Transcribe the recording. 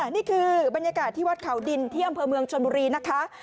นี่คือบรรยากาศที่วัดเขาดินที่อำเภอเมืองชนบุรีนะคะ